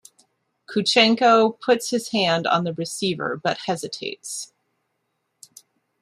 Kuchenko puts his hand on the receiver but hesitates.